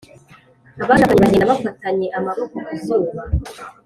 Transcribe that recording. abashakanye bagenda bafatanye amaboko ku zuba